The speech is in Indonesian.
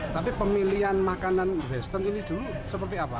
tapi pemilihan makanan western ini dulu seperti apa